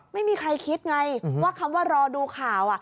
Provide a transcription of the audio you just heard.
ไม่มีใครคิดไงว่าคำว่ารอดูข่าว